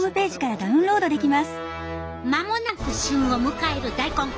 間もなく旬を迎える大根！